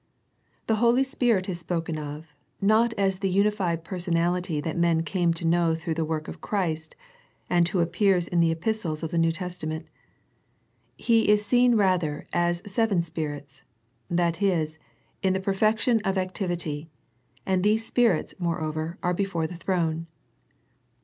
The Holy Spirit is spoken of, not as the unified personality that men came to know through the work of Christ, and Who appears in the Epistles of the New Testament. He is seen rather as seven Spirits, that is, in the per fection of activity, and these Spirits, moreover, are before the throne.